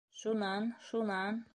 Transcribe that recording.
Шунан-шунан?